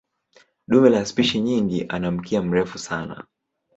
Dume la spishi nyingi ana mkia mrefu sana.